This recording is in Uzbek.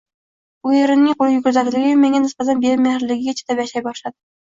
Bu erimning qo'li yugurdakligiyu menga nisbatan bemehrligiga chidab yashay boshladim